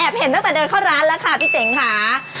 เห็นตั้งแต่เดินเข้าร้านแล้วค่ะพี่เจ๋งค่ะ